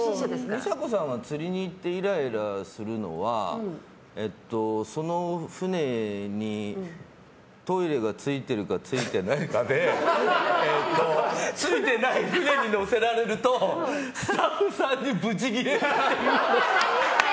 美佐子さんが釣りに行ってイライラするのはその船にトイレがついてるかついてないかでついてない船に乗せられるとスタッフさんにブチギレる。